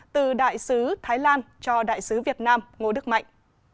từ đại sứ thái lan cho đại sứ việt nam ngô đức mạnh